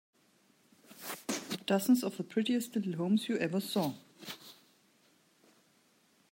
Dozens of the prettiest little homes you ever saw.